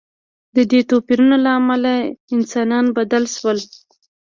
د دې توپیرونو له امله انسانان بدل شول.